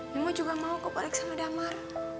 mimo juga mau kebalik sama damar